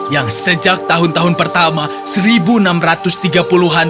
yang sejak tahun tahun pertama seribu enam ratus tiga puluh an